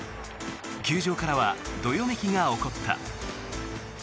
球場からはどよめきが起こった。